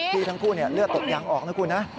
ที่ทั้งคู่เลือดตกยังออกนะคุณนะ